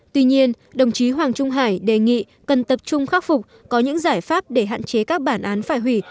tuy nhiên đồng chí hoàng trung hải đề nghị cần tập trung khắc phục có những giải pháp để hạn chế các bản án phải hủy